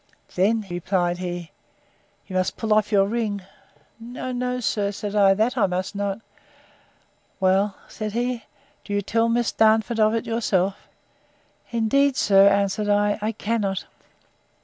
—Then, replied he, you must pull off your ring. No, no, sir, said I, that I must not.—Well, said he, do you tell Miss Darnford of it yourself.—Indeed, sir, answered I, I cannot.